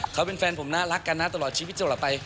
เขาเป็นแฟนผมน่ารักกันนะตลอดชีวิตตลอดไป